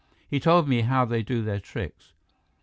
He told me how they do their tricks."